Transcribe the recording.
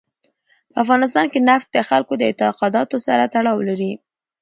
په افغانستان کې نفت د خلکو د اعتقاداتو سره تړاو لري.